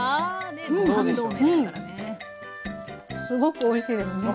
すごくおいしいです！